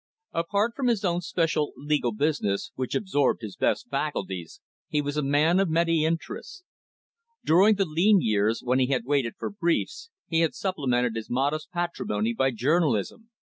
Apart from his own special legal business, which absorbed his best faculties, he was a man of many interests. During the lean years, when he had waited for briefs, he had supplemented his modest patrimony by journalism.